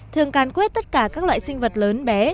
thường càn quét tất cả các loại sinh vật lớn bé